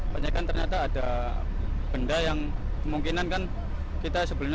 penyekatan ternyata ada benda yang kemungkinan kan kita sebelumnya